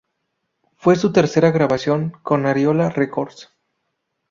Fue su tercera grabación con Ariola Records.